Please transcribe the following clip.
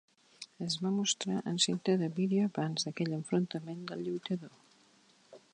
Es va mostrar en cinta de vídeo abans d'aquell enfrontament del lluitador.